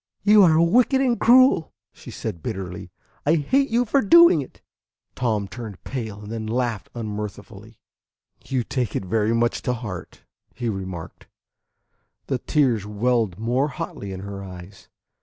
"You are wicked and cruel!" she said bitterly. "I hate you for doing it." Tom turned pale, and then laughed unmirthfully. "You take it very much to heart," he remarked. The tears welled more hotly in her eyes.